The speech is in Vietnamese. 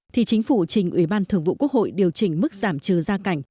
thì chính phủ trình ủy ban thường vụ quốc hội điều chỉnh mức giảm trừ gia cảnh